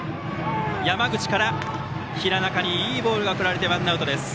山口から平中にいいボールが送られワンアウト。